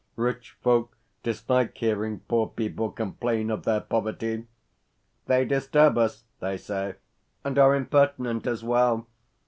Rich folk dislike hearing poor people complain of their poverty. "They disturb us," they say, "and are impertinent as well.